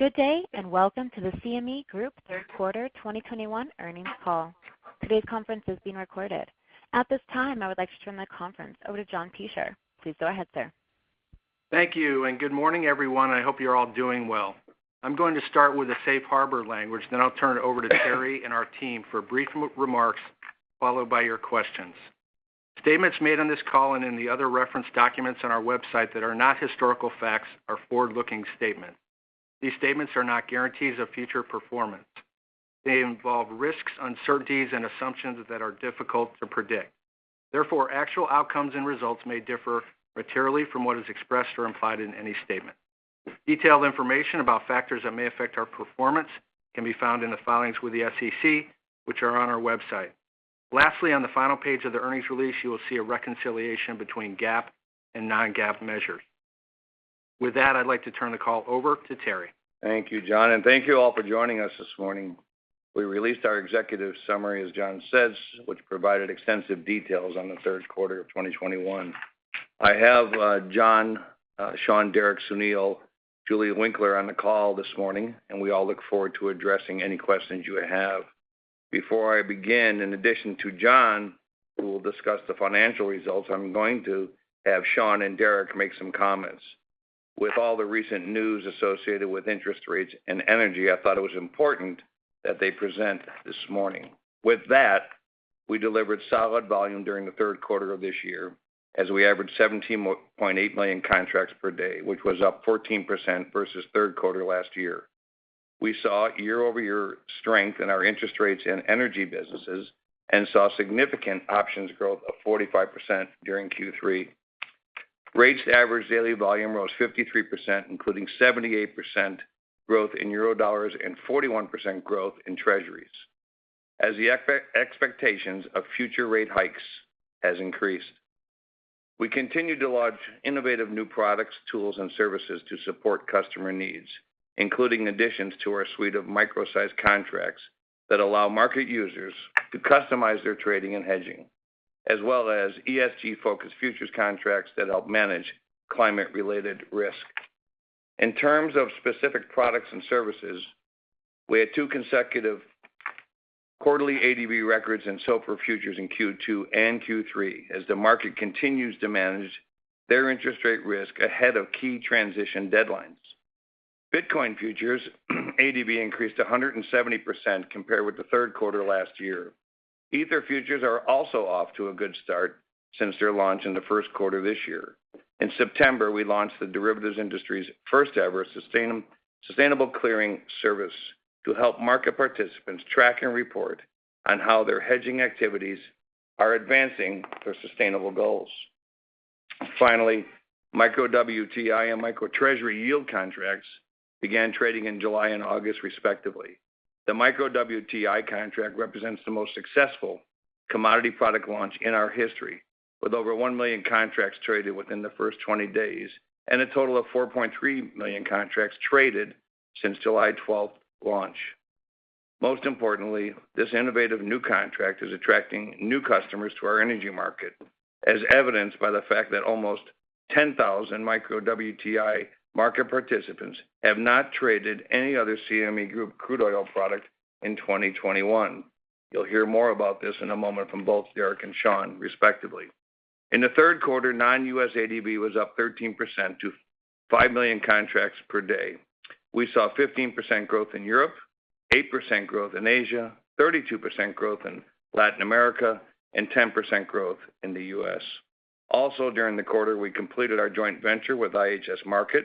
Good day, and welcome to the CME Group Third Quarter 2021 Earnings Call. Today's conference is being recorded. At this time, I would like to turn the conference over to John Peschier. Please go ahead, sir. Thank you, and good morning, everyone. I hope you're all doing well. I'm going to start with the safe harbor language, then I'll turn it over to Terry and our team for brief remarks, followed by your questions. Statements made on this call and in the other reference documents on our website that are not historical facts are forward-looking statements. These statements are not guarantees of future performance. They involve risks, uncertainties, and assumptions that are difficult to predict. Therefore, actual outcomes and results may differ materially from what is expressed or implied in any statement. Detailed information about factors that may affect our performance can be found in the filings with the SEC, which are on our website. Lastly, on the final page of the earnings release, you will see a reconciliation between GAAP and non-GAAP measures. With that, I'd like to turn the call over to Terry. Thank you, John, and thank you all for joining us this morning. We released our executive summary, as John says, which provided extensive details on the third quarter of 2021. I have John, Sean, Derek, Sunil, Julie Winkler on the call this morning, and we all look forward to addressing any questions you have. Before I begin, in addition to John, who will discuss the financial results, I'm going to have Sean and Derek make some comments. With all the recent news associated with interest rates and energy, I thought it was important that they present this morning. With that, we delivered solid volume during the third quarter of this year as we averaged 17.8 million contracts per day, which was up 14% versus third quarter last year. We saw year-over-year strength in our interest rates and energy businesses and saw significant options growth of 45% during Q3. Rates average daily volume rose 53%, including 78% growth in Eurodollars and 41% growth in Treasuries as the expectations of future rate hikes has increased. We continued to launch innovative new products, tools, and services to support customer needs, including additions to our suite of micro-sized contracts that allow market users to customize their trading and hedging, as well as ESG-focused futures contracts that help manage climate-related risk. In terms of specific products and services, we had two consecutive quarterly ADV records and SOFR futures in Q2 and Q3 as the market continues to manage their interest rate risk ahead of key transition deadlines. Bitcoin futures ADV increased 170% compared with the third quarter last year. Ether futures are also off to a good start since their launch in the first quarter this year. In September, we launched the derivatives industry's first ever sustainable clearing service to help market participants track and report on how their hedging activities are advancing their sustainable goals. Finally, Micro WTI and Micro Treasury Yield contracts began trading in July and August, respectively. The Micro WTI contract represents the most successful commodity product launch in our history, with over 1 million contracts traded within the first 20 days and a total of 4.3 million contracts traded since July 12 launch. Most importantly, this innovative new contract is attracting new customers to our energy market, as evidenced by the fact that almost 10,000 Micro WTI market participants have not traded any other CME Group crude oil product in 2021. You'll hear more about this in a moment from both Derek and Sean, respectively. In the third quarter, non-U.S. ADV was up 13% to 5 million contracts per day. We saw 15% growth in Europe, 8% growth in Asia, 32% growth in Latin America, and 10% growth in the U.S. Also, during the quarter, we completed our joint venture with IHS Markit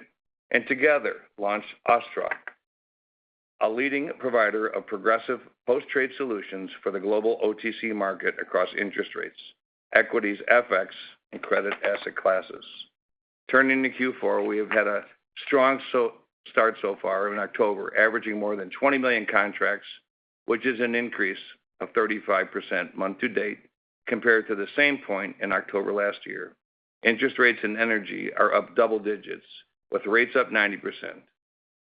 and together launched OSTTRA, a leading provider of progressive post-trade solutions for the global OTC market across interest rates, equities, FX, and credit asset classes. Turning to Q4, we have had a strong start so far in October, averaging more than 20 million contracts, which is an increase of 35% month to date compared to the same point in October last year. Interest rates and energy are up double digits, with rates up 90%.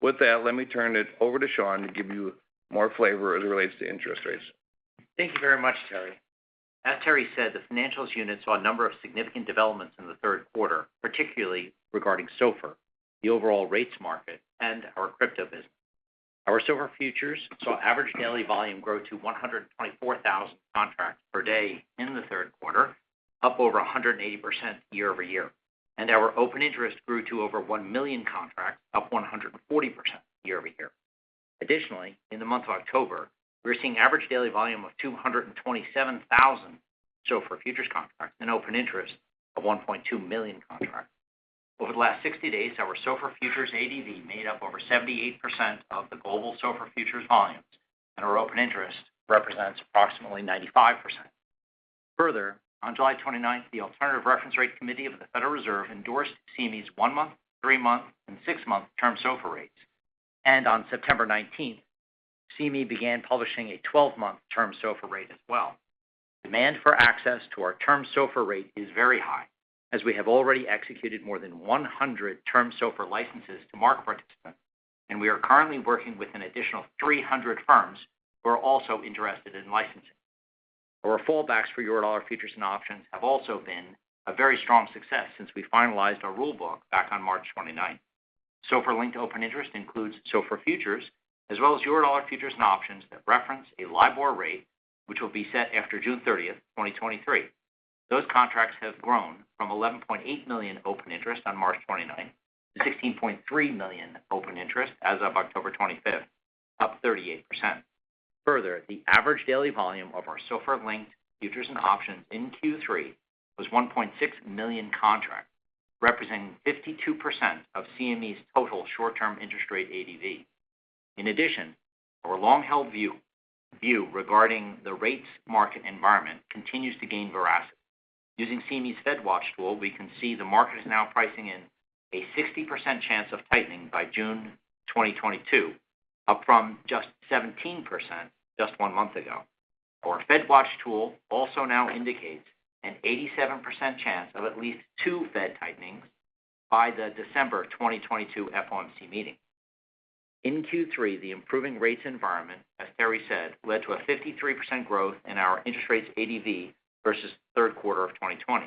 With that, let me turn it over to Sean to give you more flavor as it relates to interest rates. Thank you very much, Terry. As Terry said, the financials unit saw a number of significant developments in the third quarter, particularly regarding SOFR, the overall rates market, and our crypto business. Our SOFR futures saw average daily volume grow to 124,000 contracts per day in the third quarter, up over 180% year-over-year. Our open interest grew to over 1 million contracts, up 140% year-over-year. Additionally, in the month of October, we're seeing average daily volume of 227,000 SOFR futures contracts and open interest of 1.2 million contracts. Over the last 60 days, our SOFR futures ADV made up over 78% of the global SOFR futures volumes, and our open interest represents approximately 95%. Further, on July 29, the Alternative Reference Rates Committee of the Federal Reserve endorsed CME's one month, three month, and six month term SOFR rates. On September 19, CME began publishing a 12 month term SOFR rate as well. Demand for access to our term SOFR rate is very high, as we have already executed more than 100 term SOFR licenses to market participants, and we are currently working with an additional 300 firms who are also interested in licensing. Our fallbacks for Eurodollar futures and options have also been a very strong success since we finalized our rule book back on March 29. SOFR-linked open interest includes SOFR futures as well as Eurodollar futures and options that reference a LIBOR rate, which will be set after June 30th, 2023. Those contracts have grown from 11.8 million open interest on March 29 to 16.3 million open interest as of October 25, up 38%. Further, the average daily volume of our SOFR-linked futures and options in Q3 was 1.6 million contracts, representing 52% of CME's total short-term interest rate ADV. In addition, our long-held view regarding the rates market environment continues to gain veracity. Using CME's CME FedWatch Tool, we can see the market is now pricing in a 60% chance of tightening by June 2022, up from just 17% just one month ago. Our CME FedWatch Tool also now indicates an 87% chance of at least two Fed tightenings by the December 2022 FOMC meeting. In Q3, the improving rates environment, as Terry said, led to a 53% growth in our interest rates ADV versus the third quarter of 2020.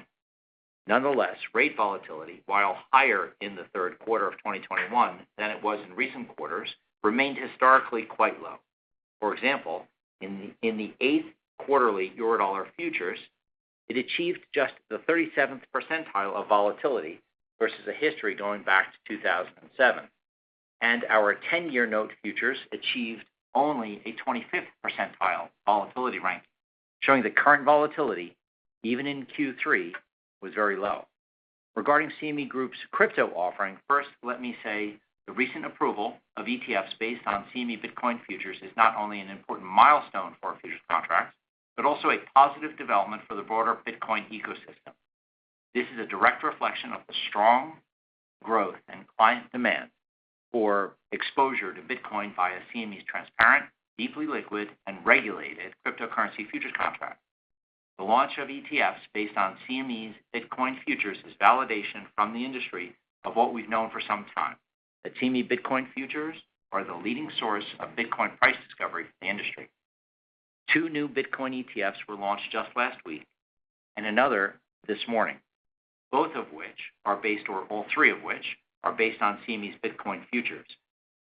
Nonetheless, rate volatility, while higher in the third quarter of 2021 than it was in recent quarters, remained historically quite low. For example, in the 8th quarterly Eurodollar futures, it achieved just the 37th percentile of volatility versus a history going back to 2007. Our 10-year note futures achieved only a 25th percentile volatility rank, showing that current volatility, even in Q3, was very low. Regarding CME Group's crypto offering, first, let me say the recent approval of ETFs based on CME Bitcoin futures is not only an important milestone for our futures contracts, but also a positive development for the broader Bitcoin ecosystem. This is a direct reflection of the strong growth and client demand for exposure to Bitcoin via CME's transparent, deeply liquid, and regulated cryptocurrency futures contract. The launch of ETFs based on CME's Bitcoin futures is validation from the industry of what we've known for some time, that CME Bitcoin futures are the leading source of Bitcoin price discovery in the industry. Two new Bitcoin ETFs were launched just last week and another this morning, all three of which are based on CME's Bitcoin futures.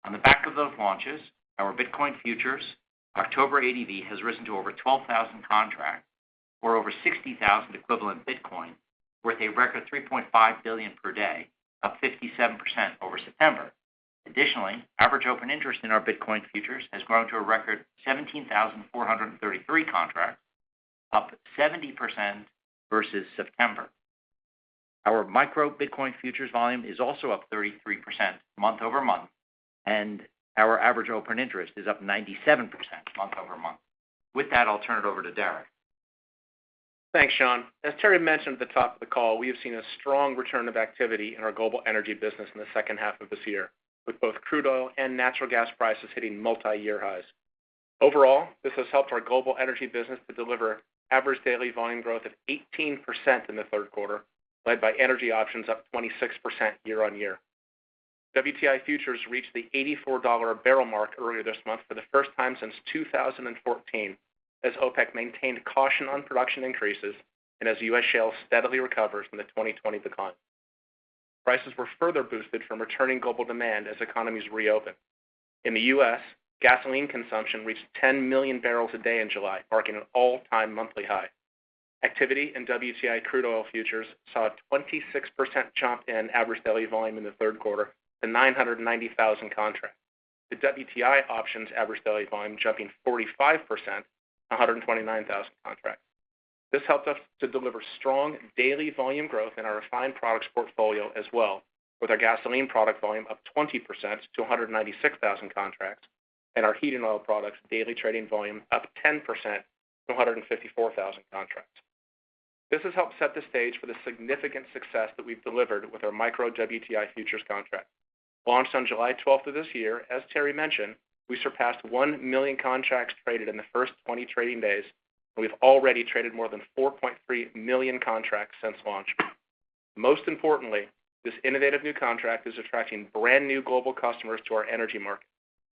On the back of those launches, our Bitcoin futures October ADV has risen to over 12,000 contracts or over 60,000 equivalent Bitcoin, worth a record $3.5 billion per day, up 57% over September. Additionally, average open interest in our Bitcoin futures has grown to a record 17,433 contracts, up 70% versus September. Our Micro Bitcoin futures volume is also up 33% month-over-month, and our average open interest is up 97% month-over-month. With that, I'll turn it over to Derek. Thanks, Sean. As Terry mentioned at the top of the call, we have seen a strong return of activity in our global energy business in the second half of this year, with both crude oil and natural gas prices hitting multiyear highs. Overall, this has helped our global energy business to deliver average daily volume growth of 18% in the third quarter, led by energy options up 26% year-over-year. WTI futures reached the $84 a barrel mark earlier this month for the first time since 2014, as OPEC maintained caution on production increases and as U.S. shale steadily recovers from the 2020 decline. Prices were further boosted from returning global demand as economies reopen. In the U.S., gasoline consumption reached 10 million barrels a day in July, marking an all-time monthly high. Activity in WTI crude oil futures saw a 26% jump in average daily volume in the third quarter to 990,000 contracts. The WTI options average daily volume jumping 45% to 129,000 contracts. This helped us to deliver strong daily volume growth in our refined products portfolio as well, with our gasoline product volume up 20% to 196,000 contracts and our heating oil products daily trading volume up 10% to 154,000 contracts. This has helped set the stage for the significant success that we've delivered with our Micro WTI futures contract. Launched on July 12 of this year, as Terry mentioned, we surpassed 1,000,000 contracts traded in the first 20 trading days, and we've already traded more than 4.3 million contracts since launch. Most importantly, this innovative new contract is attracting brand-new global customers to our energy market,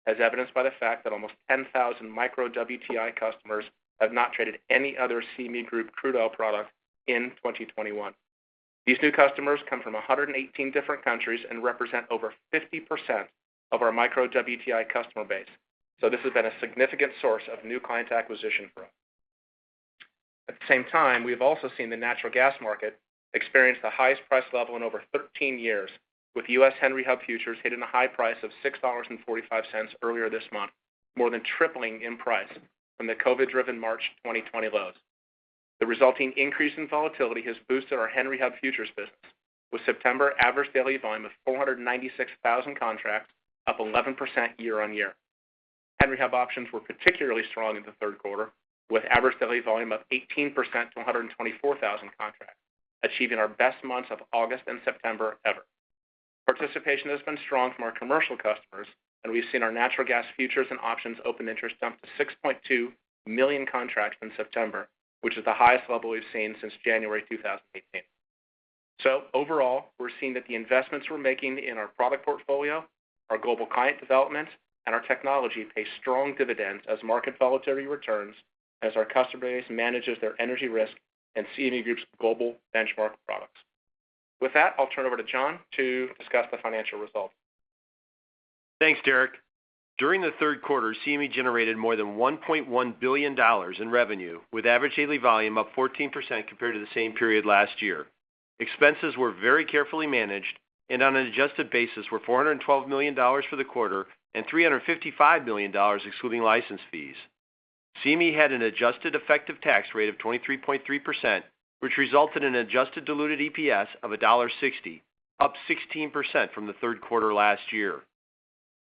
as evidenced by the fact that almost 10,000 Micro WTI customers have not traded any other CME Group crude oil product in 2021. These new customers come from 118 different countries and represent over 50% of our Micro WTI customer base. This has been a significant source of new client acquisition for us. At the same time, we have also seen the natural gas market experience the highest price level in over 13 years, with U.S. Henry Hub futures hitting a high price of $6.45 earlier this month, more than tripling in price from the COVID-driven March 2020 lows. The resulting increase in volatility has boosted our Henry Hub futures business, with September average daily volume of 496,000 contracts up 11% year-over-year. Henry Hub options were particularly strong in the third quarter, with average daily volume up 18% to 124,000 contracts, achieving our best months of August and September ever. Participation has been strong from our commercial customers, and we've seen our natural gas futures and options open interest jump to 6.2 million contracts in September, which is the highest level we've seen since January 2018. Overall, we're seeing that the investments we're making in our product portfolio, our global client development, and our technology pay strong dividends as market volatility returns, as our customer base manages their energy risk and CME Group's global benchmark products. With that, I'll turn over to John to discuss the financial results. Thanks Derek. During the third quarter, CME generated more than $1.1 billion in revenue, with average daily volume up 14% compared to the same period last year. Expenses were very carefully managed, and on an adjusted basis were $412 million for the quarter and $355 million excluding license fees. CME had an adjusted effective tax rate of 23.3%, which resulted in adjusted diluted EPS of $1.60, up 16% from the third quarter last year.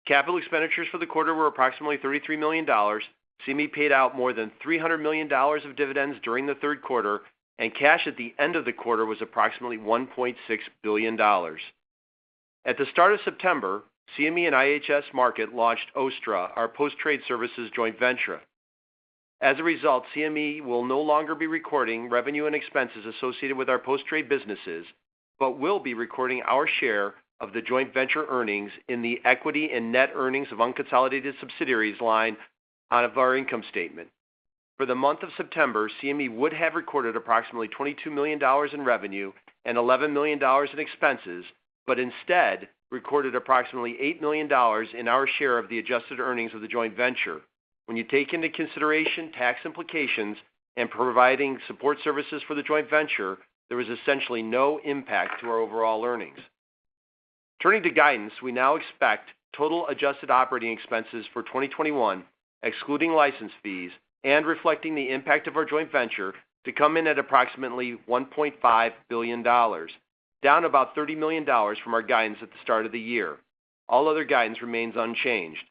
Capital expenditures for the quarter were approximately $33 million. CME paid out more than $300 million of dividends during the third quarter, and cash at the end of the quarter was approximately $1.6 billion. At the start of September, CME and IHS Markit launched OSTTRA, our post-trade services joint venture. As a result, CME will no longer be recording revenue and expenses associated with our post-trade businesses, but will be recording our share of the joint venture earnings in the equity and net earnings of unconsolidated subsidiaries line out of our income statement. For the month of September, CME would have recorded approximately $22 million in revenue and $11 million in expenses, but instead recorded approximately $8 million in our share of the adjusted earnings of the joint venture. When you take into consideration tax implications and providing support services for the joint venture, there was essentially no impact to our overall earnings. Turning to guidance, we now expect total adjusted operating expenses for 2021, excluding license fees and reflecting the impact of our joint venture to come in at approximately $1.5 billion, down about $30 million from our guidance at the start of the year. All other guidance remains unchanged.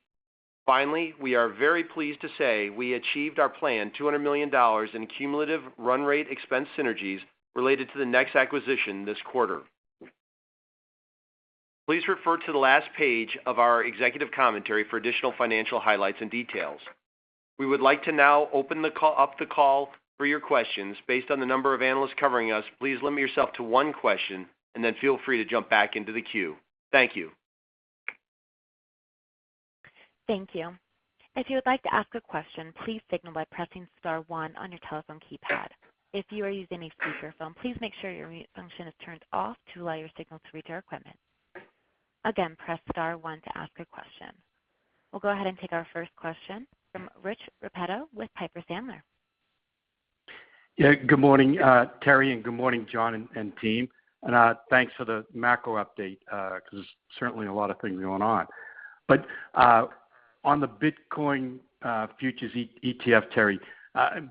Finally, we are very pleased to say we achieved our planned $200 million in cumulative run rate expense synergies related to the NEX acquisition this quarter. Please refer to the last page of our executive commentary for additional financial highlights and details. We would like to now open up the call for your questions based on the number of analysts covering us. Please limit yourself to one question and then feel free to jump back into the queue. Thank you. Thank you. If you would like to ask a question, please signal by pressing star one on your telephone keypad. If you are using a speakerphone, please make sure your mute function is turned off to allow your signal to reach our equipment. Again, press star one to ask a question. We'll go ahead and take our first question from Rich Repetto with Piper Sandler. Good morning, Terry, and good morning, John and team, and thanks for the macro update, 'cause there's certainly a lot of things going on. On the Bitcoin futures ETF, Terry,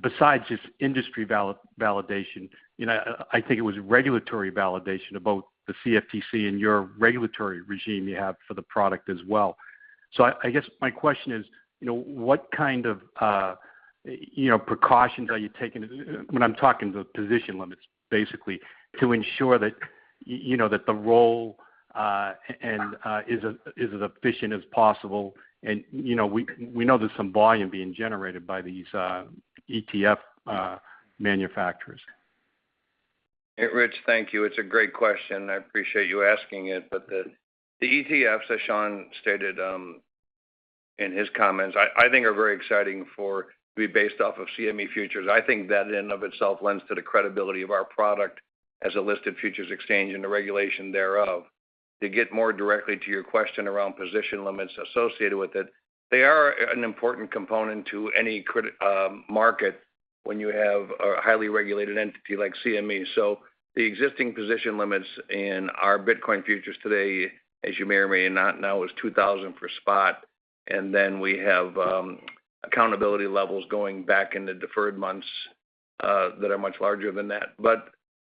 besides just industry validation, you know, I think it was regulatory validation about the CFTC and your regulatory regime you have for the product as well. I guess my question is, you know, what kind of, you know, precautions are you taking, when I'm talking the position limits, basically, to ensure that you know, that the roll is as efficient as possible? You know, we know there's some volume being generated by these ETF manufacturers. Rich, thank you. It's a great question. I appreciate you asking it. The ETFs, as Sean stated, in his comments, I think are very exciting for to be based off of CME futures. I think that in and of itself lends to the credibility of our product as a listed futures exchange and the regulation thereof. To get more directly to your question around position limits associated with it, they are an important component to any market when you have a highly regulated entity like CME. The existing position limits in our Bitcoin futures today, as you may or may not know, is 2,000 for spot. And then we have accountability levels going back in the deferred months that are much larger than that.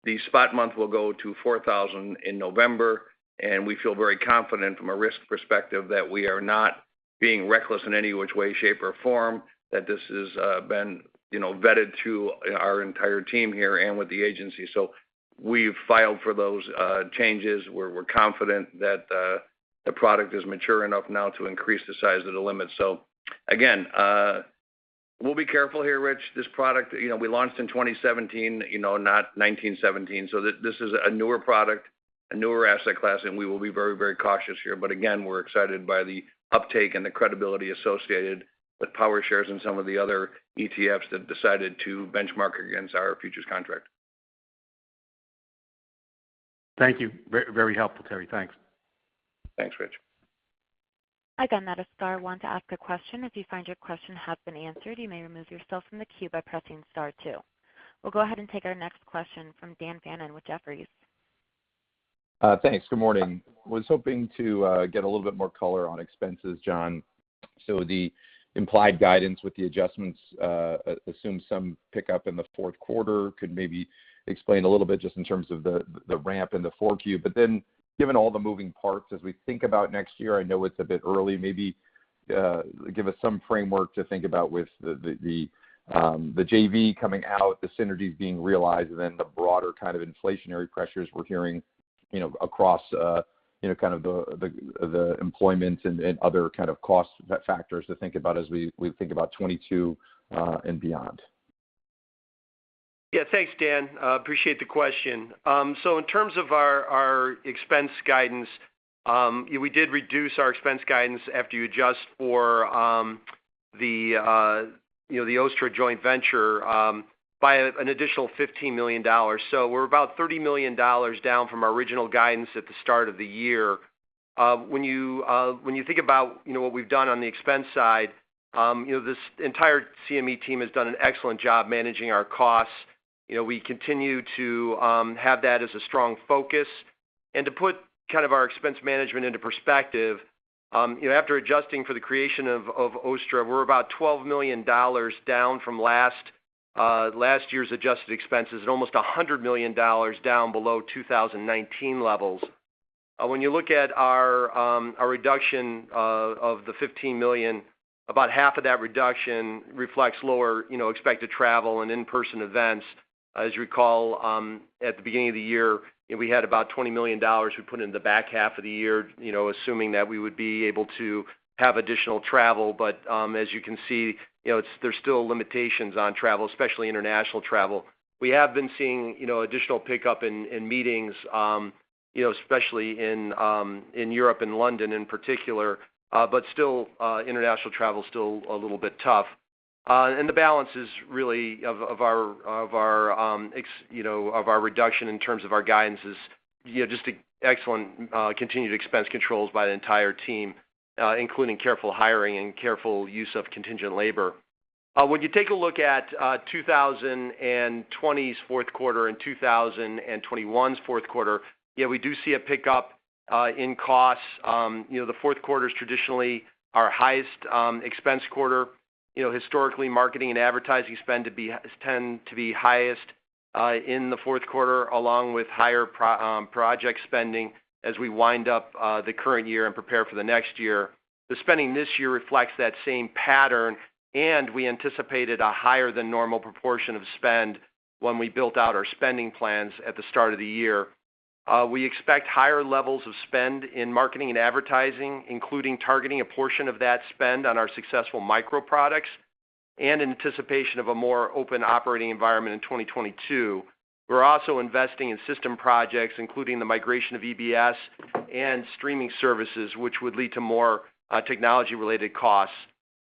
The spot month will go to 4,000 in November, and we feel very confident from a risk perspective that we are not being reckless in any which way, shape, or form. That this has been, you know, vetted to our entire team here and with the agency. We've filed for those changes. We're confident that the product is mature enough now to increase the size of the limits. Again, we'll be careful here, Rich. This product, you know, we launched in 2017, you know, not 1917. This is a newer product, a newer asset class, and we will be very, very cautious here. Again, we're excited by the uptake and the credibility associated with ProShares and some of the other ETFs that have decided to benchmark against our futures contract. Thank you. Very helpful, Terry. Thanks. Thanks Rich. Again, that is star one to ask a question. If you find your question has been answered, you may remove yourself from the queue by pressing star two. We'll go ahead and take our next question from Daniel Fannon with Jefferies. Thanks good morning. I was hoping to get a little bit more color on expenses, John. So the implied guidance with the adjustments assumes some pickup in the fourth quarter. Could maybe explain a little bit just in terms of the ramp in the forecast. Given all the moving parts as we think about next year, I know it's a bit early, maybe, give us some framework to think about with the JV coming out, the synergies being realized, and then the broader kind of inflationary pressures we're hearing. You know, across, you know, kind of the employment and other kind of cost factors to think about as we think about 2022 and beyond. Thanks Dan appreciate the question. In terms of our expense guidance, we did reduce our expense guidance after you adjust for the OSTTRA joint venture by an additional $15 million. We're about $30 million down from our original guidance at the start of the year. When you think about, you know, what we've done on the expense side, you know, this entire CME team has done an excellent job managing our costs. You know, we continue to have that as a strong focus. To put kind of our expense management into perspective, you know, after adjusting for the creation of OSTTRA, we're about $12 million down from last year's adjusted expenses and almost $100 million down below 2019 levels. When you look at our reduction of the $15 million, about half of that reduction reflects lower, you know, expected travel and in-person events. As you recall, at the beginning of the year, we had about $20 million we put in the back half of the year, you know, assuming that we would be able to have additional travel. As you can see, you know, it's, there's still limitations on travel, especially international travel. We have been seeing, you know, additional pickup in meetings, you know, especially in Europe and London in particular. Still, international travel is still a little bit tough. The balance is really of our, you know, of our reduction in terms of our guidance is, you know, just excellent continued expense controls by the entire team, including careful hiring and careful use of contingent labor. When you take a look at 2020's fourth quarter and 2021's fourth quarter, yeah, we do see a pickup in costs. You know, the fourth quarter is traditionally our highest expense quarter. You know, historically, marketing and advertising spend tends to be highest in the fourth quarter, along with higher project spending as we wind up the current year and prepare for the next year. The spending this year reflects that same pattern, and we anticipated a higher than normal proportion of spend when we built out our spending plans at the start of the year. We expect higher levels of spend in marketing and advertising, including targeting a portion of that spend on our successful micro products and anticipation of a more open operating environment in 2022. We're also investing in system projects, including the migration of EBS and streaming services, which would lead to more technology-related costs.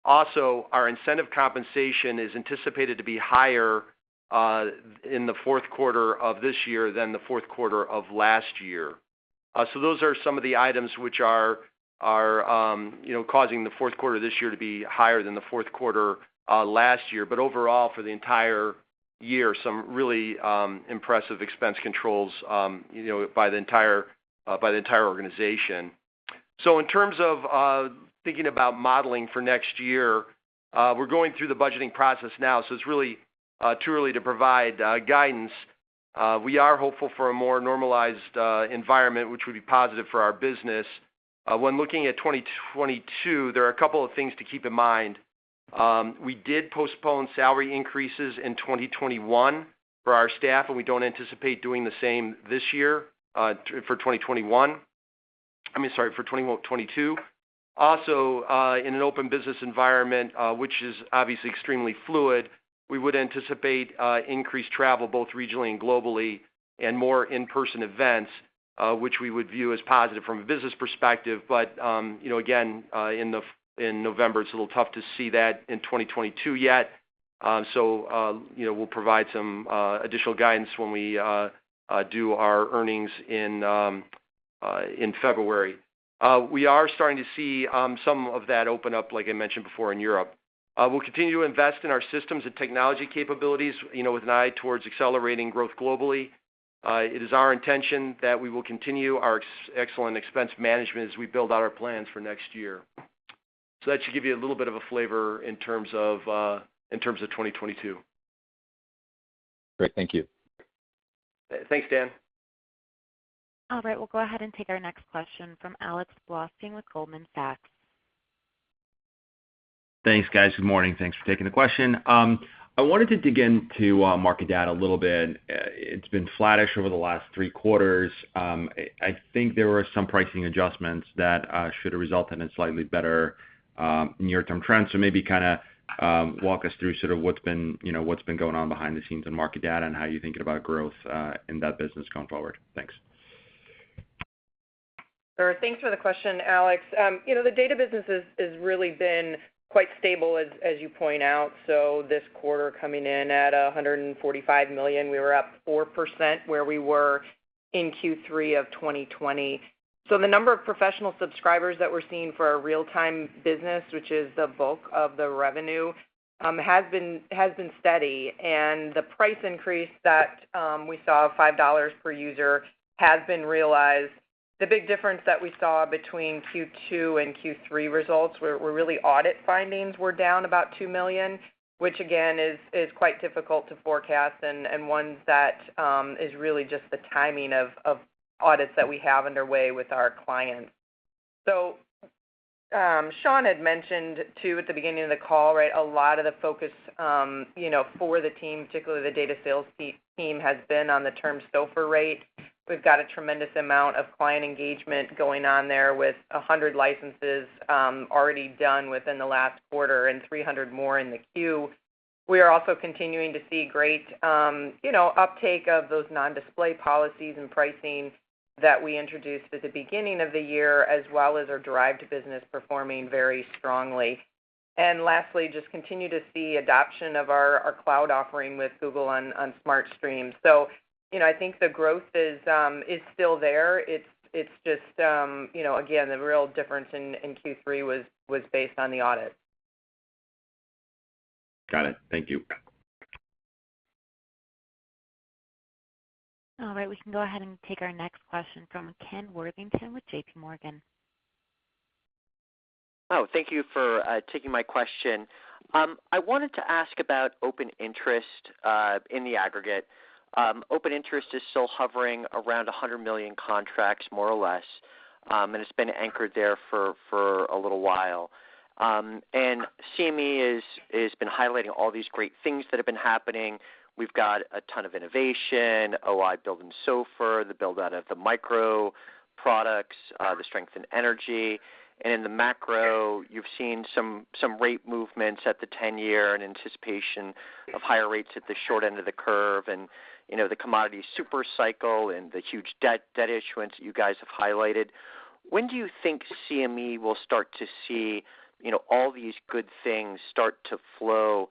Also, our incentive compensation is anticipated to be higher in the fourth quarter of this year than the fourth quarter of last year. Those are some of the items which are causing the fourth quarter this year to be higher than the fourth quarter last year. Overall, for the entire year, some really impressive expense controls by the entire organization. In terms of thinking about modeling for next year, we're going through the budgeting process now, so it's really too early to provide guidance. We are hopeful for a more normalized environment, which would be positive for our business. When looking at 2022, there are a couple of things to keep in mind. We did postpone salary increases in 2021 for our staff, and we don't anticipate doing the same this year for 2021. I mean, sorry, for 2022. Also, in an open business environment, which is obviously extremely fluid, we would anticipate increased travel both regionally and globally, and more in-person events, which we would view as positive from a business perspective. You know, again, in November, it's a little tough to see that in 2022 yet. You know, we'll provide some additional guidance when we do our earnings in February. We are starting to see some of that open up, like I mentioned before, in Europe. We'll continue to invest in our systems and technology capabilities, you know, with an eye towards accelerating growth globally. It is our intention that we will continue our excellent expense management as we build out our plans for next year. That should give you a little bit of a flavor in terms of 2022. Great thank you. Thanks Dan. All right, we'll go ahead and take our next question from Alexander Blostein with Goldman Sachs. Thanks guys good morning. Thanks for taking the question. I wanted to dig into market data a little bit. It's been flattish over the last three quarters. I think there were some pricing adjustments that should result in a slightly better near-term trend. Maybe kind of walk us through sort of what's been, you know, what's been going on behind the scenes in market data and how you're thinking about growth in that business going forward. Thanks. Sure thanks for the question Alex. You know, the data business has really been quite stable as you point out. This quarter coming in at $145 million, we were up 4% where we were in Q3 of 2020. The number of professional subscribers that we're seeing for our real-time business, which is the bulk of the revenue, has been steady. The price increase that we saw, $5 per user, has been realized. The big difference that we saw between Q2 and Q3 results were really audit findings were down about $2 million, which again, is quite difficult to forecast and ones that is really just the timing of audits that we have underway with our clients. Sean had mentioned too, at the beginning of the call, right, a lot of the focus, you know, for the team, particularly the data sales team, has been on the Term SOFR rate. We've got a tremendous amount of client engagement going on there with 100 licenses already done within the last quarter and 300 more in the queue. We are also continuing to see great, you know, uptake of those non-display policies and pricing that we introduced at the beginning of the year as well as our derived business performing very strongly. Lastly, just continue to see adoption of our cloud offering with Google on SmartStream. You know, I think the growth is still there. It's just, you know, again, the real difference in Q3 was based on the audit. Got it. Thank you. All right, we can go ahead and take our next question from Kenneth Worthington with JPMorgan. Thank you for taking my question. I wanted to ask about open interest in the aggregate. Open interest is still hovering around 100 million contracts, more or less, and it's been anchored there for a little while. CME is been highlighting all these great things that have been happening. We've got a ton of innovation, OI build in SOFR, the build out of the micro products, the strength in energy. In the macro, you've seen some rate movements at the 10-year in anticipation of higher rates at the short end of the curve and, you know, the commodity super cycle and the huge debt issuance you guys have highlighted. When do you think CME will start to see, you know, all these good things start to flow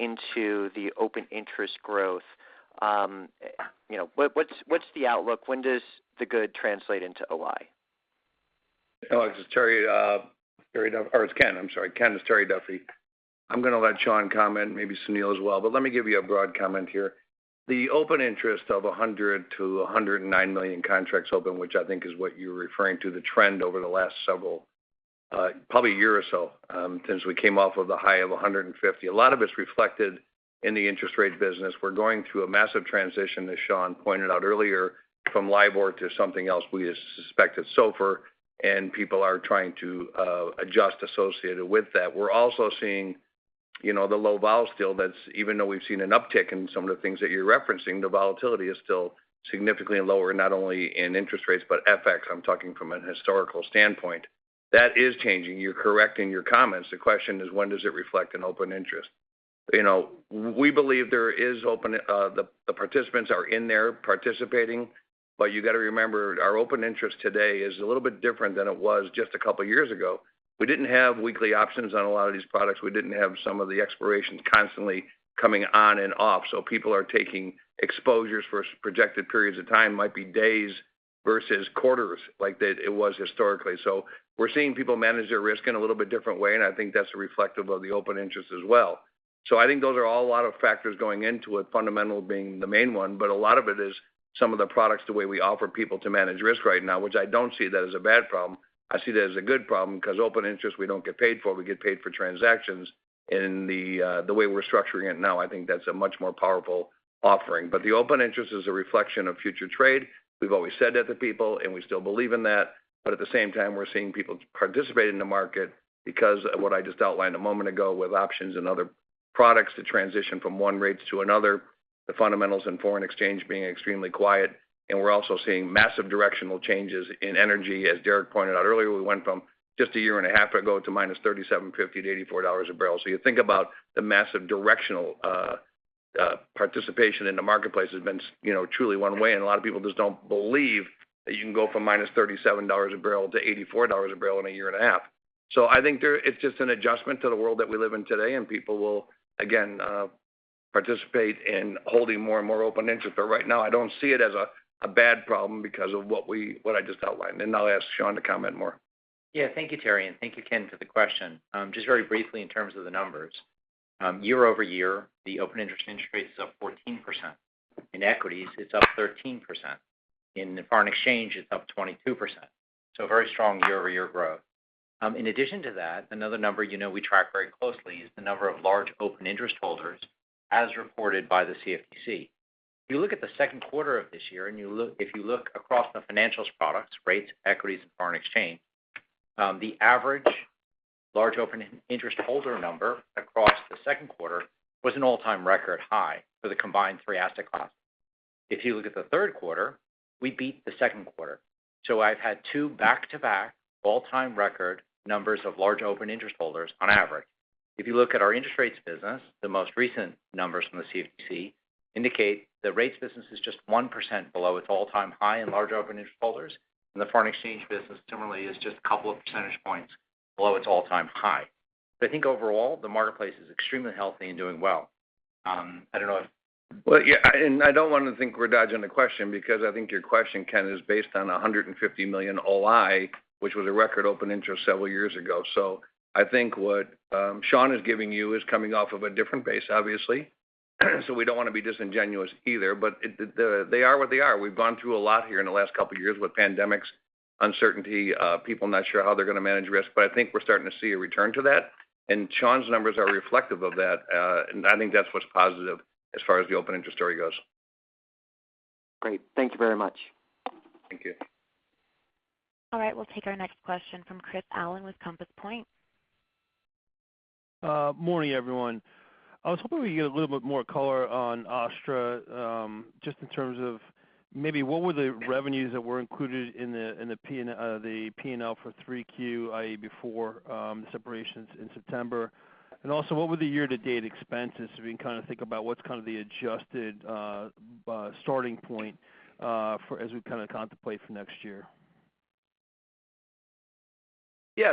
into the open interest growth? You know, what's the outlook? When does the good translate into OI? Ken it's Terry Duffy. I'm gonna let Sean comment, maybe Sunil as well, but let me give you a broad comment here. The open interest of 100 to 109 million contracts open, which I think is what you're referring to, the trend over the last several, probably a year or so, since we came off of the high of 150. A lot of it's reflected in the interest rate business. We're going through a massive transition, as Sean pointed out earlier, from LIBOR to something else, we suspect it's SOFR, and people are trying to adjust associated with that. We're also seeing the low vol still, that's even though we've seen an uptick in some of the things that you're referencing, the volatility is still significantly lower, not only in interest rates, but FX, I'm talking from an historical standpoint. That is changing. You're correct in your comments. The question is when does it reflect an open interest? We believe the participants are in there participating, but you gotta remember, our open interest today is a little bit different than it was just a couple years ago. We didn't have weekly options on a lot of these products. We didn't have some of the expirations constantly coming on and off, so people are taking exposures for projected periods of time, might be days versus quarters like it was historically. We're seeing people manage their risk in a little bit different way, and I think that's reflective of the open interest as well. I think those are all a lot of factors going into it, fundamental being the main one, but a lot of it is some of the products, the way we offer people to manage risk right now, which I don't see that as a bad problem. I see that as a good problem because open interest, we don't get paid for. We get paid for transactions. In the way we're structuring it now, I think that's a much more powerful offering. The open interest is a reflection of future trade. We've always said that to people, and we still believe in that. At the same time, we're seeing people participate in the market because of what I just outlined a moment ago with options and other products to transition from one rates to another, the fundamentals in foreign exchange being extremely quiet, and we're also seeing massive directional changes in energy. As Derek pointed out earlier, we went from just a year and a half ago to -$37.50-$84 a barrel. You think about the massive directional participation in the marketplace has been you know, truly one way, and a lot of people just don't believe that you can go from -$37 a barrel to $84 a barrel in a year and a half. I think there, it's just an adjustment to the world that we live in today, and people will again participate in holding more and more open interest. But right now, I don't see it as a bad problem because of what I just outlined. And I'll ask Sean to comment more. Thank you, Terry, and thank you, Ken, for the question. Just very briefly in terms of the numbers, year-over-year, the open interest in interest rates is up 14%. In equities, it's up 13%. In the foreign exchange, it's up 22%. Very strong year-over-year growth. In addition to that, another number, you know, we track very closely is the number of large open interest holders as reported by the CFTC. If you look at the second quarter of this year, if you look across the financials products, rates, equities, and foreign exchange, the average large open interest holder number across the second quarter was an all-time record high for the combined three asset class. If you look at the third quarter, we beat the second quarter. I've had two back-to-back all-time record numbers of large open interest holders on average. If you look at our interest rates business, the most recent numbers from the CFTC indicate the rates business is just 1% below its all-time high in large open interest holders, and the foreign exchange business similarly is just a couple of percentage points below its all-time high. I think overall, the marketplace is extremely healthy and doing well. I don't wanna think we're dodging the question because I think your question, Ken, is based on 150 million OI, which was a record open interest several years ago. I think what Sean is giving you is coming off of a different base, obviously, so we don't wanna be disingenuous either, but they are what they are. We've gone through a lot here in the last couple of years with pandemics, uncertainty, people not sure how they're gonna manage risk, but I think we're starting to see a return to that, and Sean's numbers are reflective of that. I think that's what's positive as far as the open interest story goes. Great. Thank you very much. Thank you. All right, we'll take our next question from Chris Allen with Compass Point. Morning everyone. I was hoping we could get a little bit more color on OSTTRA, just in terms of maybe what were the revenues that were included in the P&L for 3Q, i.e., before separations in September? And also, what were the year-to-date expenses, so we can kind of think about what's kind of the adjusted starting point for as we kind of contemplate for next year.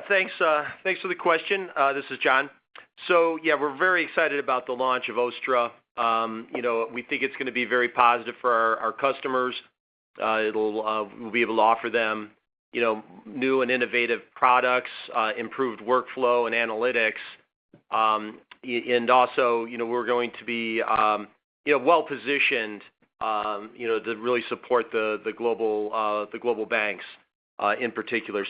Thanks for the question. This is John. Yeah, we're very excited about the launch of OSTTRA. You know, we think it's gonna be very positive for our customers. We'll be able to offer them, you know, new and innovative products, improved workflow and analytics. Also, you know, we're going to be, you know, well-positioned, you know, to really support the global banks, in particular.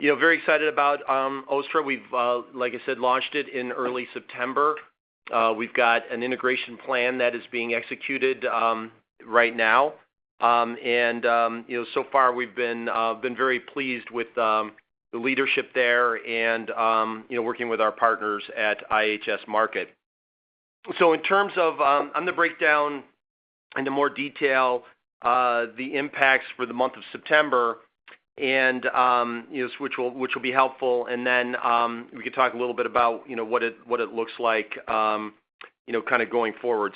You know, very excited about OSTTRA. We've, like I said, launched it in early September. We've got an integration plan that is being executed right now. You know, so far we've been very pleased with the leadership there and, you know, working with our partners at IHS Markit. In terms of on the breakdown into more detail, the impacts for the month of September and, you know, which will be helpful and then, we can talk a little bit about, you know, what it looks like, you know, kind of going forward.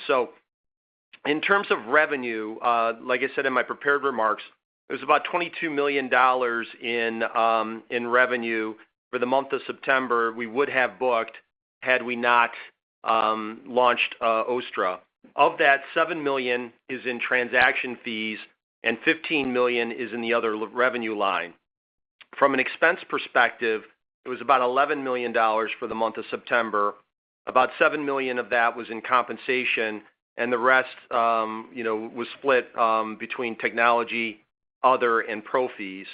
In terms of revenue, like I said in my prepared remarks, it was about $22 million in revenue for the month of September we would have booked had we not launched OSTTRA. Of that, $7 million is in transaction fees and $15 million is in the other revenue line. From an expense perspective, it was about $11 million for the month of September. About $7 million of that was in compensation and the rest, you know, was split between technology, other and pro fees.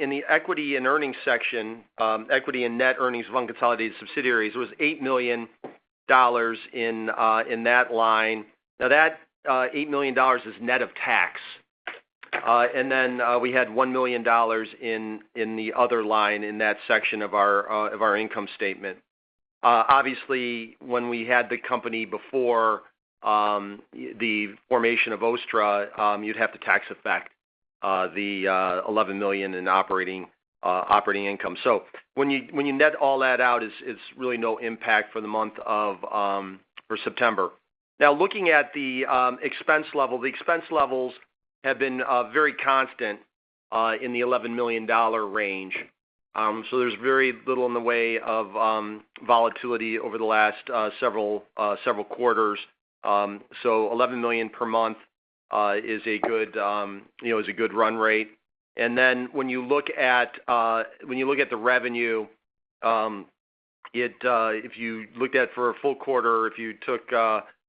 In the equity and earnings section, equity and net earnings of unconsolidated subsidiaries was $8 million in that line. Now that $8 million is net of tax. We had $1 million in the other line in that section of our income statement. Obviously, when we had the company before the formation of OSTTRA, you'd have to tax effect the $11 million in operating income. When you net all that out, it's really no impact for the month of September. Now, looking at the expense level, the expense levels have been very constant in the $11 million range. There's very little in the way of volatility over the last several quarters. $11 million per month is a good, you know, run rate. Then when you look at the revenue, if you looked at for a full quarter, if you took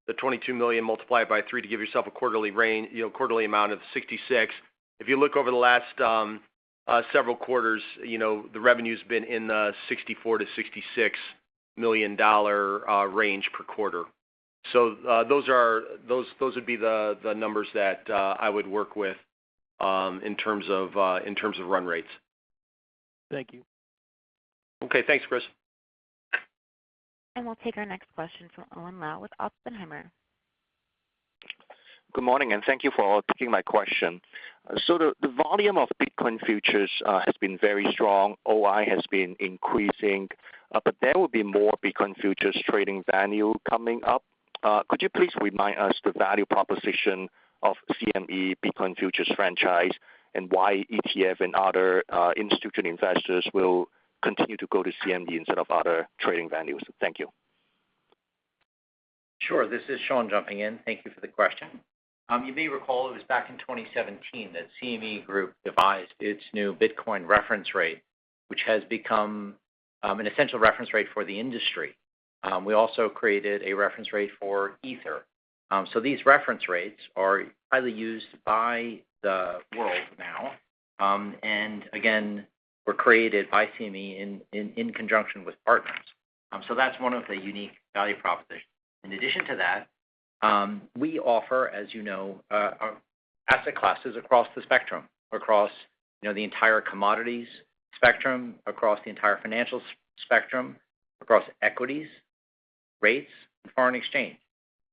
the $22 million multiplied by three to give yourself a quarterly range, you know, quarterly amount of $66 million. If you look over the last several quarters, you know, the revenue's been in the $64 million-$66 million range per quarter. Those would be the numbers that I would work with in terms of run rates. Thank you. Okay. Thanks, Chris. We'll take our next question from Owen Lau with Oppenheimer. Good morning and thank you for taking my question. The volume of Bitcoin futures has been very strong. OI has been increasing, but there will be more Bitcoin futures trading venue coming up. Could you please remind us the value proposition of CME Bitcoin futures franchise and why ETF and other institutional investors will continue to go to CME instead of other trading venues? Thank you. Sure. This is Sean jumping in. Thank you for the question. You may recall it was back in 2017 that CME Group devised its new Bitcoin reference rate, which has become an essential reference rate for the industry. We also created a reference rate for Ether. These reference rates are highly used by the world now, and again, were created by CME in conjunction with partners. That's one of the unique value propositions. In addition to that, we offer, as you know, asset classes across the spectrum, across, you know, the entire commodities spectrum, across the entire financial spectrum, across equities, rates and foreign exchange.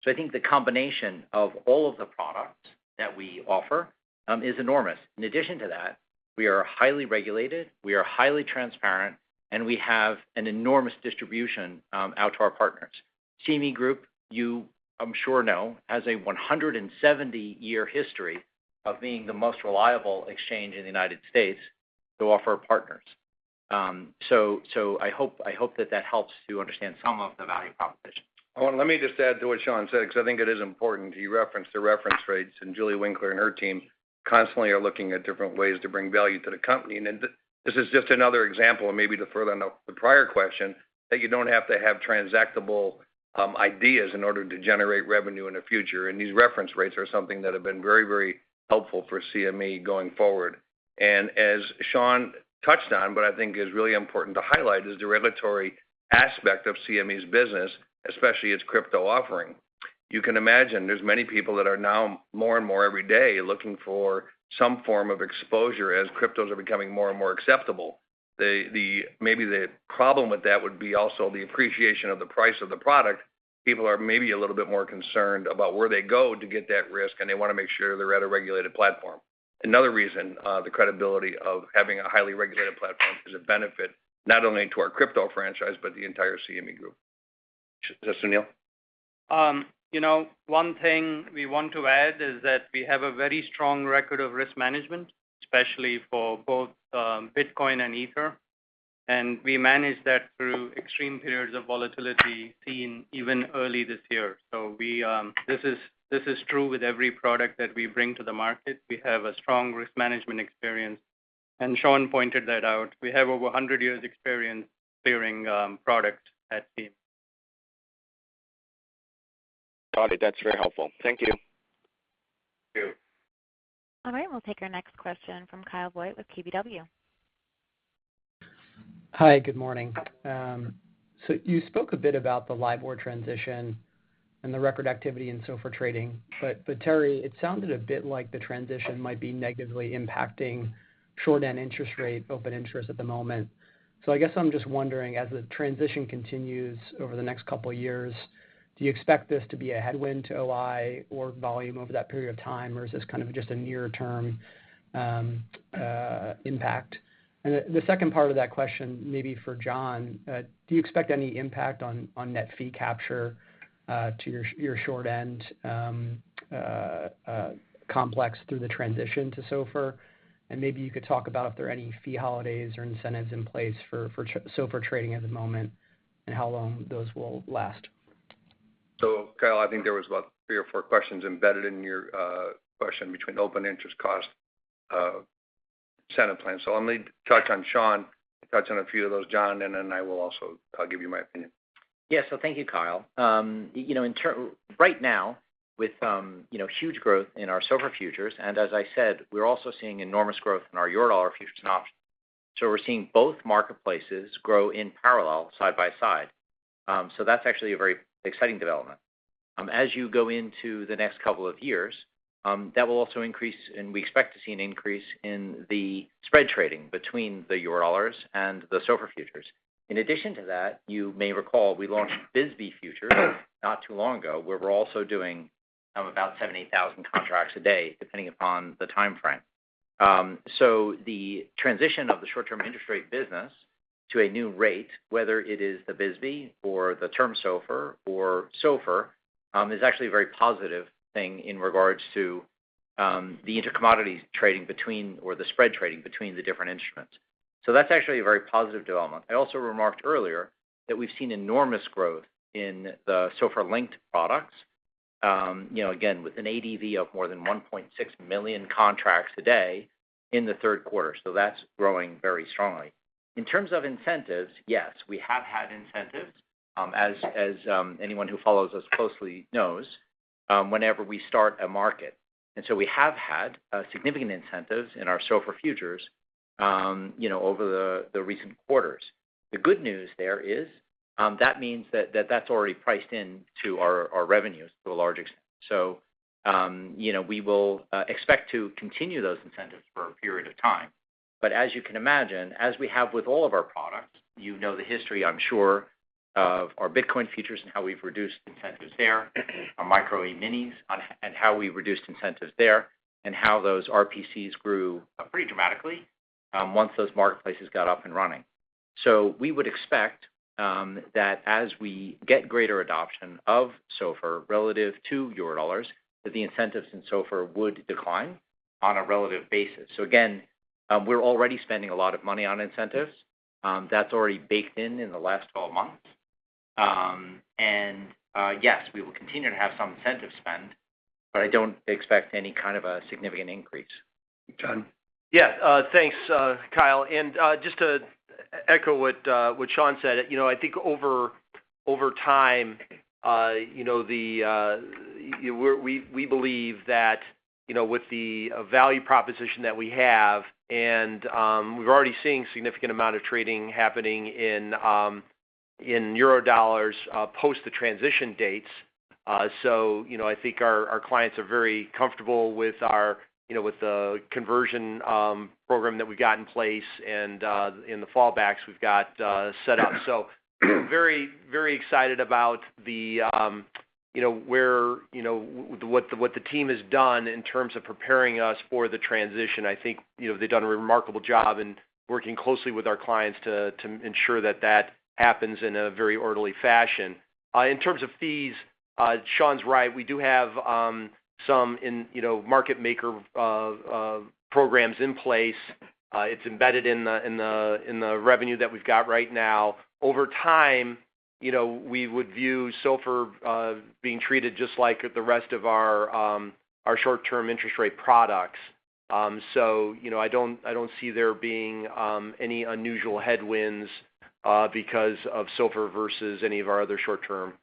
I think the combination of all of the products that we offer is enormous. In addition to that, we are highly regulated, we are highly transparent, and we have an enormous distribution out to our partners. CME Group, you, I'm sure know, has a 170-year history of being the most reliable exchange in the United States to offer partners. I hope that helps to understand some of the value propositions. Owen, let me just add to what Sean said because I think it is important you reference the reference rates, and Julie Winkler and her team constantly are looking at different ways to bring value to the company. This is just another example, and maybe to further on the prior question, that you don't have to have transactable ideas in order to generate revenue in the future. These reference rates are something that have been very, very helpful for CME going forward. As Sean touched on, what I think is really important to highlight is the regulatory aspect of CME's business, especially its crypto offering. You can imagine there's many people that are now more and more every day looking for some form of exposure as cryptos are becoming more and more acceptable. Maybe the problem with that would be also the appreciation of the price of the product. People are maybe a little bit more concerned about where they go to get that risk, and they want to make sure they're at a regulated platform. Another reason, the credibility of having a highly regulated platform is a benefit not only to our crypto franchise but the entire CME Group. Sunil? You know, one thing we want to add is that we have a very strong record of risk management, especially for both Bitcoin and Ether, and we manage that through extreme periods of volatility seen even early this year. This is true with every product that we bring to the market. We have a strong risk management experience, and Sean pointed that out. We have over 100 years' experience clearing product at CME. Got it that's very helpful. Thank you. Thank you. All right, we'll take our next question from Kyle Voigt with KBW. Hi good morning. You spoke a bit about the LIBOR transition and the record activity in SOFR trading. Terry, it sounded a bit like the transition might be negatively impacting short-end interest rate open interest at the moment. I guess I'm just wondering, as the transition continues over the next couple of years, do you expect this to be a headwind to OI or volume over that period of time, or is this kind of just a near-term impact? The second part of that question may be for John. Do you expect any impact on net fee capture to your short end complex through the transition to SOFR? Maybe you could talk about if there are any fee holidays or incentives in place for SOFR trading at the moment and how long those will last. Kyle, I think there was about three or four questions embedded in your question between open interest, cost, incentive plan. Let Sean touch on a few of those, John, and then I will also give you my opinion. Thank you, Kyle. Right now with you know, huge growth in our SOFR futures, and as I said, we're also seeing enormous growth in our Eurodollar futures and options. We're seeing both marketplaces grow in parallel side by side. That's actually a very exciting development. As you go into the next couple of years, that will also increase, and we expect to see an increase in the spread trading between the Eurodollars and the SOFR futures. In addition to that, you may recall we launched BSBY futures not too long ago, where we're also doing about 70,000-80,000 contracts a day, depending upon the timeframe. The transition of the short-term interest rate business to a new rate, whether it is the BSBY or the term SOFR or SOFR, is actually a very positive thing in regards to the inter-commodities trading between or the spread trading between the different instruments. That's actually a very positive development. I also remarked earlier that we've seen enormous growth in the SOFR-linked products, you know, again, with an ADV of more than 1.6 million contracts a day in the third quarter. That's growing very strongly. In terms of incentives, yes, we have had incentives, as anyone who follows us closely knows, whenever we start a market, and so we have had significant incentives in our SOFR futures, you know, over the recent quarters. The good news there is that means that that's already priced into our revenues to a large extent. You know, we will expect to continue those incentives for a period of time. As you can imagine, as we have with all of our products, you know the history, I'm sure, of our Bitcoin futures and how we've reduced incentives there, our Micro E-minis and how we reduced incentives there, and how those RPCs grew pretty dramatically once those marketplaces got up and running. We would expect that as we get greater adoption of SOFR relative to Eurodollars, that the incentives in SOFR would decline on a relative basis. Again, we're already spending a lot of money on incentives, that's already baked in in the last 12 months. Yes, we will continue to have some incentive spend, but I don't expect any kind of a significant increase. John? Thanks, Kyle. Just to echo what Sean said, you know, I think over time, you know, we believe that, you know, with the value proposition that we have and we're already seeing significant amount of trading happening in Eurodollars post the transition dates. You know, I think our clients are very comfortable with our, you know, with the conversion program that we've got in place and the fallbacks we've got set up. Very excited about the, you know, what the team has done in terms of preparing us for the transition. I think, you know, they've done a remarkable job in working closely with our clients to ensure that happens in a very orderly fashion. In terms of fees, Sean's right, we do have some, you know, market maker programs in place. It's embedded in the revenue that we've got right now. Over time, you know, we would view SOFR being treated just like the rest of our short-term interest rate products. You know, I don't see there being any unusual headwinds. Because of SOFR versus any of our other short-term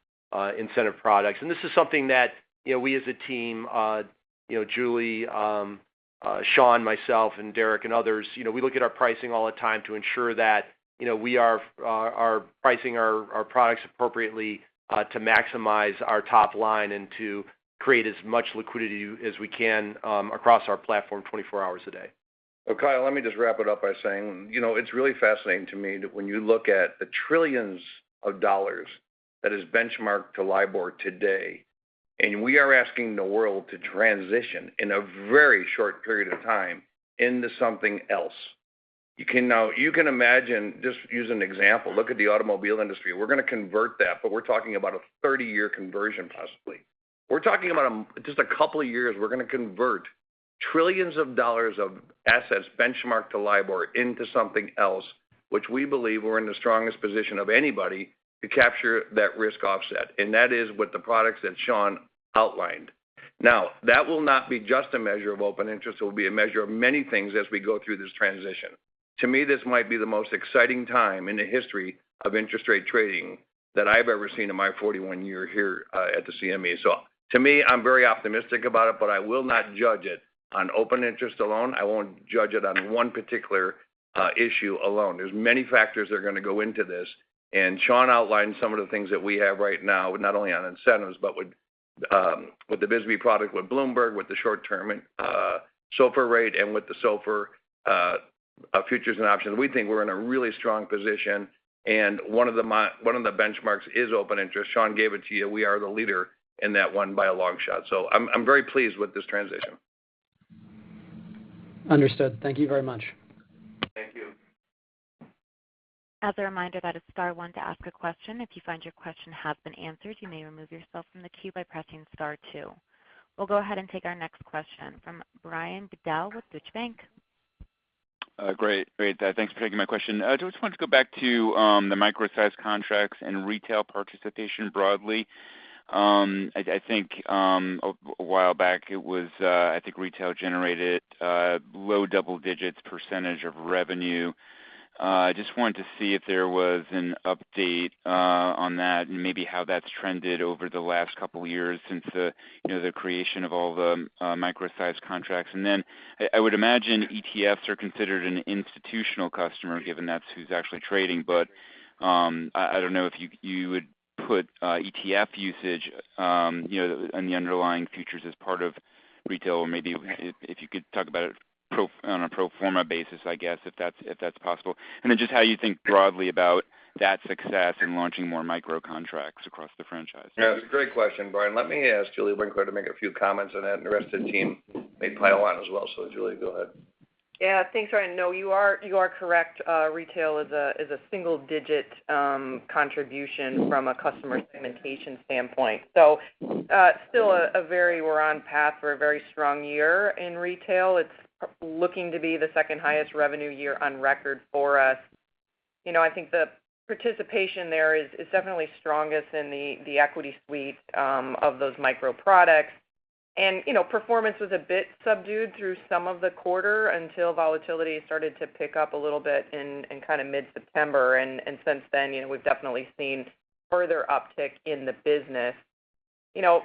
interest products. This is something that, you know, we as a team, you, Julie, Sean, myself, and Derek and others, you know, we look at our pricing all the time to ensure that, you know, we are pricing our products appropriately, to maximize our top line and to create as much liquidity as we can, across our platform 24 hours a day. Well, Kyle, let me just wrap it up by saying, you know, it's really fascinating to me that when you look at the trillions of dollars that is benchmarked to LIBOR today, and we are asking the world to transition in a very short period of time into something else. You can imagine, just use an example, look at the automobile industry. We're gonna convert that, but we're talking about a 30-year conversion, possibly. We're talking about just a couple of years, we're gonna convert trillions of dollars of assets benchmarked to LIBOR into something else, which we believe we're in the strongest position of anybody to capture that risk offset. That is with the products that Sean outlined. Now, that will not be just a measure of open interest, it will be a measure of many things as we go through this transition. To me, this might be the most exciting time in the history of interest rate trading that I've ever seen in my 41-year here at the CME. To me, I'm very optimistic about it, but I will not judge it on open interest alone. I won't judge it on one particular issue alone. There's many factors that are gonna go into this, and Sean outlined some of the things that we have right now, not only on incentives, but with the BSBY product, with Bloomberg, with the short-term SOFR rate, and with the SOFR futures and options. We think we're in a really strong position, and one of the benchmarks is open interest. Sean gave it to you. We are the leader in that one by a long shot. I'm very pleased with this transition. Understood. Thank you very much. Thank you. As a reminder, that is star one to ask a question. If you find your question has been answered, you may remove yourself from the queue by pressing star two. We'll go ahead and take our next question from Brian Bedell with Deutsche Bank. Great. Thanks for taking my question. I just wanted to go back to the micro-sized contracts and retail participation broadly. I think a while back it was retail generated low double digits% of revenue. Just wanted to see if there was an update on that and maybe how that's trended over the last couple of years since you know the creation of all the micro-sized contracts. I would imagine ETFs are considered an institutional customer, given that's who's actually trading. I don't know if you would put ETF usage you know in the underlying futures as part of retail or maybe if you could talk about it on a pro forma basis, I guess, if that's possible. Just how you think broadly about that success in launching more micro contracts across the franchise. It's a great question, Brian. Let me ask Julie Winkler to make a few comments on that, and the rest of the team may pile on as well. Julie, go ahead. Thanks, Brian. No, you are correct. Retail is a single-digit contribution from a customer segmentation standpoint. We're on path for a very strong year in retail. It's looking to be the second highest revenue year on record for us. You know, I think the participation there is definitely strongest in the equity suite of those micro products. You know, performance was a bit subdued through some of the quarter until volatility started to pick up a little bit in kinda mid-September. Since then, you know, we've definitely seen further uptick in the business. You know,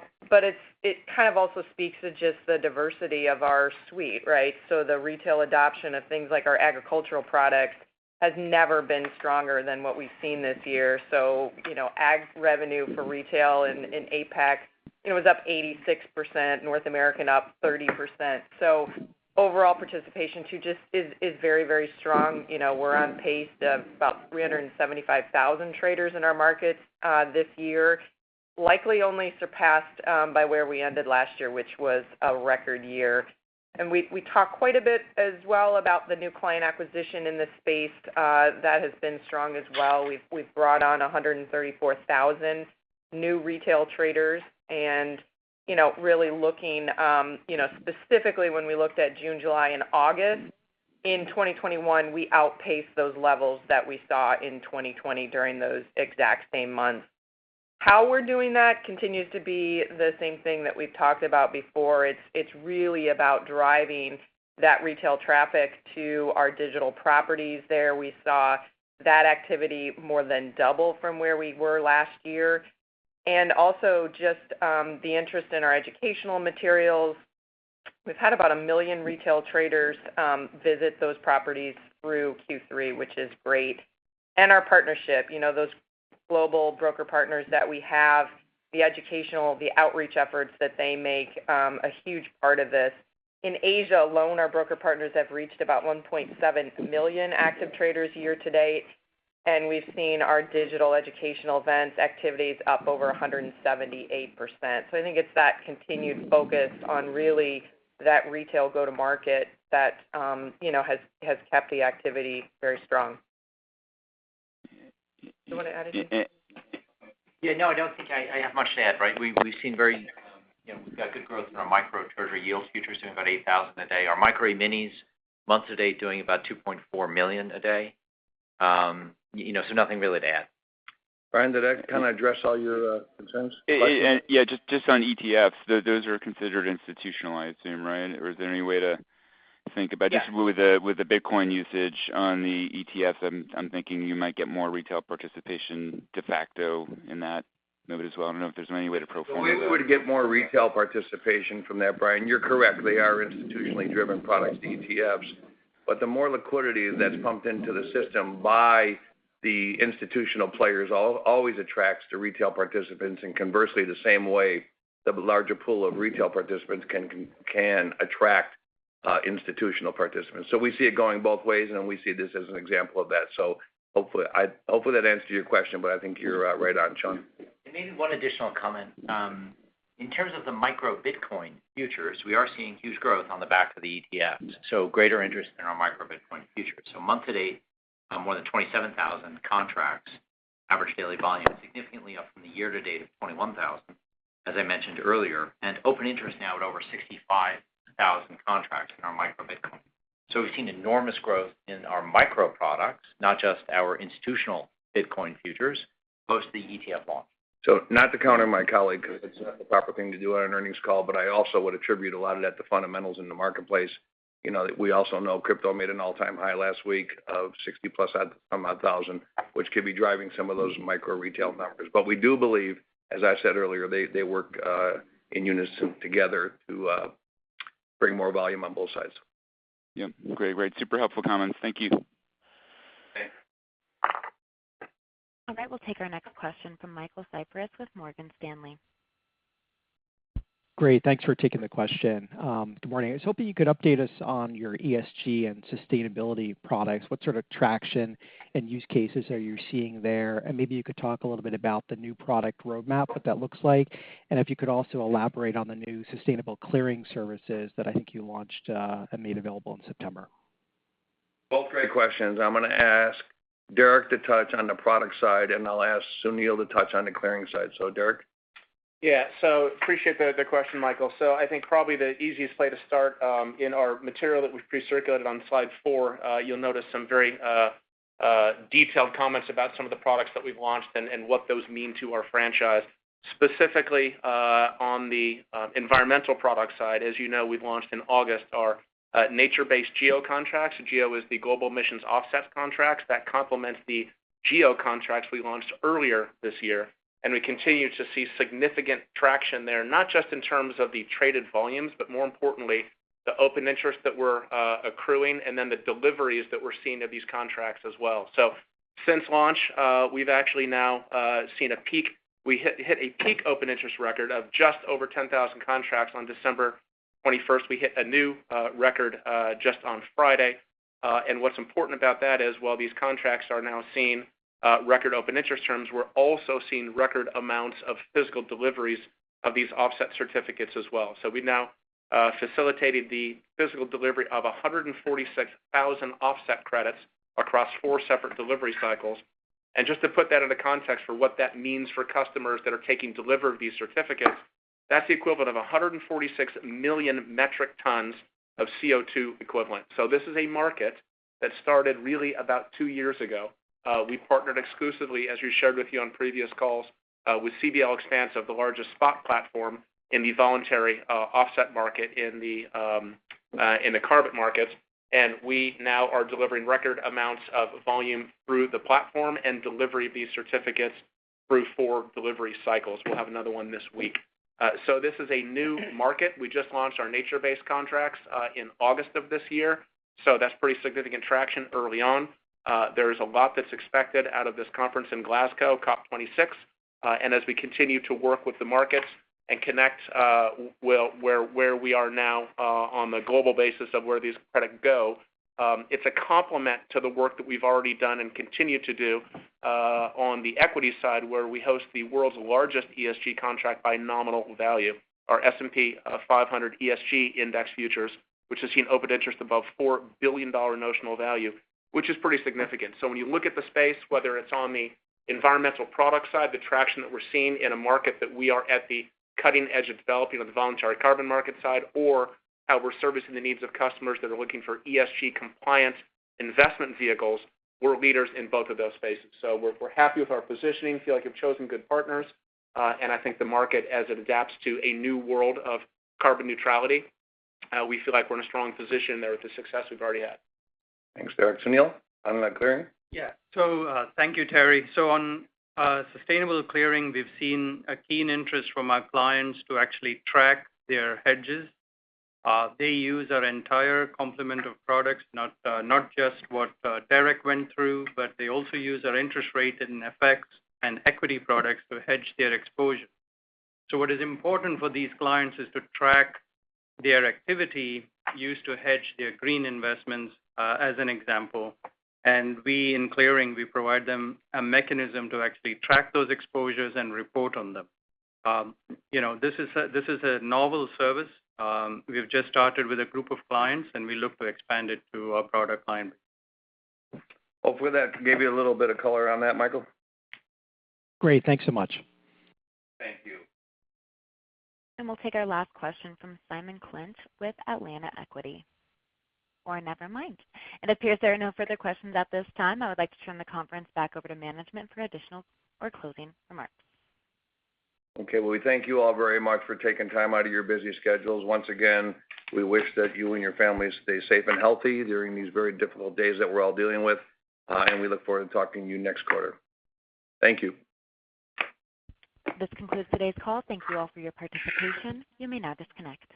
it kind of also speaks to just the diversity of our suite, right? The retail adoption of things like our agricultural products has never been stronger than what we've seen this year. You know, ag revenue for retail in APAC, it was up 86%, North America up 30%. Overall participation too just is very strong. You know, we're on pace of about 375,000 traders in our markets this year. Likely only surpassed by where we ended last year, which was a record year. We talked quite a bit as well about the new client acquisition in this space that has been strong as well. We've brought on 134,000 new retail traders. You know, really looking specifically when we looked at June, July and August, in 2021, we outpaced those levels that we saw in 2020 during those exact same months. How we're doing that continues to be the same thing that we've talked about before. It's really about driving that retail traffic to our digital properties there. We saw that activity more than double from where we were last year. Also just the interest in our educational materials. We've had about 1 million retail traders visit those properties through Q3, which is great. Our partnership, you know, those global broker partners that we have, the educational, the outreach efforts that they make, a huge part of this. In Asia alone, our broker partners have reached about 1.7 million active traders year to date, and we've seen our digital educational events activities up over 178%. I think it's that continued focus on really that retail go-to-market that, you know, has kept the activity very strong. Do you want to add anything? No, I don't think I have much to add, right? You know, we've got good growth in our Micro Treasury Yield futures, doing about 8,000 a day. Our Micro E-minis month to date doing about 2.4 million a day. You know, so nothing really to add. Brian, did that kind of address all your concerns, questions? Just on ETFs, those are considered institutionalized, I assume, right? Or is there any way to think about it? Yeah. Just with the Bitcoin usage on the ETFs, I'm thinking you might get more retail participation de facto in that note as well. I don't know if there's any way to profile that. We would get more retail participation from that, Brian. You're correct, they are institutionally driven products, ETFs. The more liquidity that's pumped into the system by the institutional players always attracts the retail participants, and conversely, the same way the larger pool of retail participants can attract institutional participants. We see it going both ways, and we see this as an example of that. Hopefully that answers your question, but I think you're right on. Sean? Maybe one additional comment. In terms of the Micro Bitcoin futures, we are seeing huge growth on the back of the ETFs, so greater interest in our Micro Bitcoin futures. Month to date, more than 27,000 contracts. Average daily volume significantly up from the year to date of 21,000, as I mentioned earlier, and open interest now at over 65,000 contracts in our Micro Bitcoin. We've seen enormous growth in our micro products, not just our institutional Bitcoin futures, post the ETF launch. Not to counter my colleague, because it's not the proper thing to do on an earnings call, but I also would attribute a lot of that to fundamentals in the marketplace. You know, we also know crypto made an all-time high last week of $60,000+ some odd thousand, which could be driving some of those micro retail numbers. But we do believe, as I said earlier, they work in unison together to bring more volume on both sides. Yep. Great. Super helpful comments. Thank you. Okay. All right, we'll take our next question from Michael Cyprys with Morgan Stanley. Great thanks for taking the question. Good morning. I was hoping you could update us on your ESG and sustainability products. What sort of traction and use cases are you seeing there? Maybe you could talk a little bit about the new product roadmap, what that looks like. If you could also elaborate on the new sustainable clearing services that I think you launched and made available in September. Both great questions. I'm gonna ask Derek to touch on the product side, and I'll ask Sunil to touch on the clearing side. Derek? Appreciate the question, Michael. I think probably the easiest way to start in our material that we've pre-circulated on slide four, you'll notice some very detailed comments about some of the products that we've launched and what those mean to our franchise. Specifically, on the environmental product side, as you know, we've launched in August our nature-based GEO contracts. GEO is the Global Emissions Offset contracts. That complements the GEO contracts we launched earlier this year, and we continue to see significant traction there, not just in terms of the traded volumes, but more importantly, the open interest that we're accruing and then the deliveries that we're seeing of these contracts as well. Since launch, we've actually now seen a peak. We hit a peak open interest record of just over 10,000 contracts on December 21st. We hit a new record just on Friday. What's important about that is while these contracts are now seeing record open interest, we're also seeing record amounts of physical deliveries of these offset certificates as well. We now facilitated the physical delivery of 146,000 offset credits across four separate delivery cycles. Just to put that into context for what that means for customers that are taking delivery of these certificates, that's the equivalent of 146 million metric tons of CO2 equivalent. This is a market that started really about two years ago. We partnered exclusively, as we shared with you on previous calls, with CBL Xpansiv, the largest spot platform in the voluntary offset market in the carbon markets. We now are delivering record amounts of volume through the platform and delivery of these certificates through four delivery cycles. We'll have another one this week. This is a new market. We just launched our nature-based contracts in August of this year, so that's pretty significant traction early on. There is a lot that's expected out of this conference in Glasgow, COP26. As we continue to work with the markets and connect where we are now on the global basis of where these products go, it's a complement to the work that we've already done and continue to do on the equity side, where we host the world's largest ESG contract by nominal value, our S&P 500 ESG Index futures, which has seen open interest above $4 billion notional value, which is pretty significant. When you look at the space, whether it's on the environmental product side, the traction that we're seeing in a market that we are at the cutting edge of developing on the voluntary carbon market side or how we're servicing the needs of customers that are looking for ESG compliance investment vehicles, we're leaders in both of those spaces. We're happy with our positioning, feel like we've chosen good partners, and I think the market as it adapts to a new world of carbon neutrality, we feel like we're in a strong position there with the success we've already had. Thanks, Derek. Sunil, on the clearing? Thank you Terry. On sustainable clearing, we've seen a keen interest from our clients to actually track their hedges. They use our entire complement of products, not just what Derek went through, but they also use our interest rate and FX and equity products to hedge their exposure. What is important for these clients is to track their activity used to hedge their green investments, as an example. We in clearing provide them a mechanism to actually track those exposures and report on them. You know, this is a novel service. We've just started with a group of clients, and we look to expand it to our broader client base. Hopefully that gave you a little bit of color on that, Michael. Great thanks so much. Thank you. We'll take our last question from Simon Clinch with Atlantic Equities. Never mind. It appears there are no further questions at this time. I would like to turn the conference back over to management for additional or closing remarks. Okay. well, we thank you all very much for taking time out of your busy schedules. Once again, we wish that you and your families stay safe and healthy during these very difficult days that we're all dealing with, and we look forward to talking to you next quarter. Thank you. This concludes today's call. Thank you all for your participation. You may now disconnect.